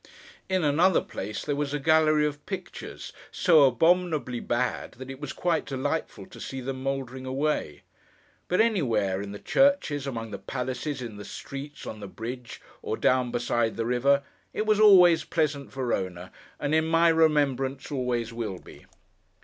In another place, there was a gallery of pictures: so abominably bad, that it was quite delightful to see them mouldering away. But anywhere: in the churches, among the palaces, in the streets, on the bridge, or down beside the river: it was always pleasant Verona, and in my remembrance always will be.